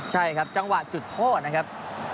ใช่ครับจังหวะจุดโทษนะครับ